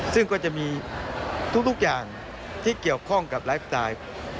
ซึ่งก็จะมีทุกอย่างที่เกี่ยวข้องกับไลฟ์สไตล์